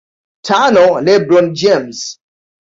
Tano LeBron James